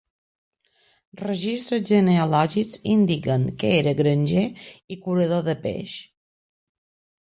Registres genealògics indiquen que era granger i curador de peix.